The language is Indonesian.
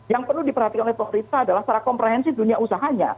yang perlu diperhatikan oleh pemerintah adalah secara komprehensif dunia usahanya